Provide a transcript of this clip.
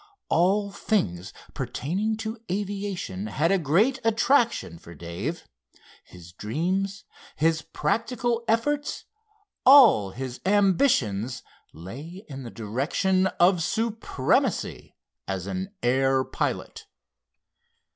All things pertaining to aviation had a great attraction for Dave. His dreams, his practical efforts, all his ambitions lay in the direction of supremacy as an air pilot.